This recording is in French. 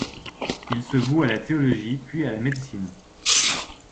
Il se voue à la théologie puis à la médecine.